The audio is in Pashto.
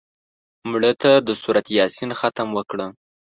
مړه ته د سورت یاسین ختم وکړه